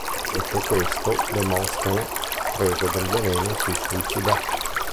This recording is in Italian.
Detto questo, Demostene prese del veleno e si suicidò.